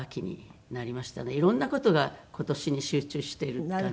色んな事が今年に集中している感じ。